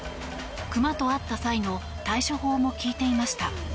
熊と遭った際の対処法も聞いていました。